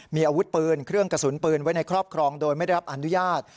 มีอาวุธปืนเครื่องกระสุนปืนไว้ในครอบครองโดยไม่ได้รับอนุญาต